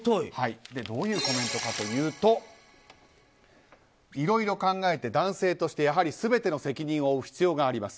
どういうコメントかというといろいろ考え男性としてやはり全ての責任を負う必要があります。